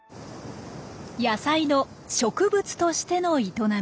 野菜の植物としての営み。